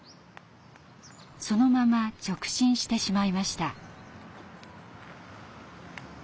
そのまま直進してしまいました。